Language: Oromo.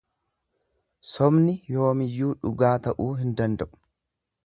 Sobni yoomiyyuu dhugaa ta'uu hin danda'u.